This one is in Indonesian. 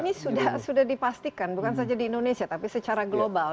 ini sudah dipastikan bukan saja di indonesia tapi secara global